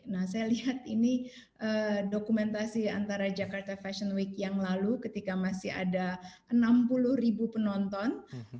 nah saya lihat ini dokumentasi antara jakarta fashion week yang lalu ketika masih ada enam puluh ribu penonton